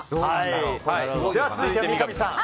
続いて、三上さん。